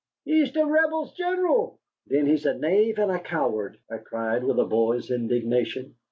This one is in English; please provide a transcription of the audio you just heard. "He's de Rebel gen'l." "Then he's a knave and a coward!" I cried with a boy's indignation.